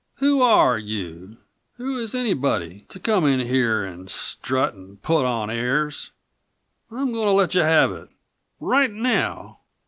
Who are you, who is anybody, to come in here and strut and put on airs? I'm going to let you have it, right now!"